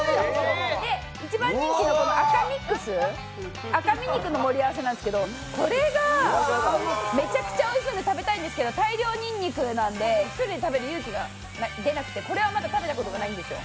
一番人気の赤ミックス、赤身肉の盛り合わせなんですけど、これがめちゃくちゃおいしそうで食べたいんですけど、大量にんにくなんで、１人で食べる勇気がなくてこれはまだ食べたことがないんですよ。